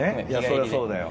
そりゃそうだよ。